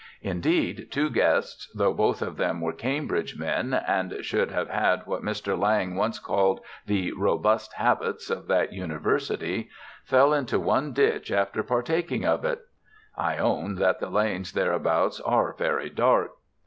Indeed, two guests, though both of them were Cambridge men, and should have had what Mr. Lang once called the "robust" habits of that University, fell into one ditch after partaking of it. (I own that the lanes thereabouts are very dark.)